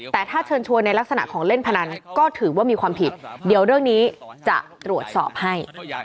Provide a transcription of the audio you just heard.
แต่ถ้าเชิญชวนในลักษณะของเล่นพนันก็ถือว่ามีความผิดเดี๋ยวเรื่องนี้จะตรวจสอบให้